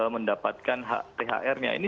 mendapatkan thr nya ini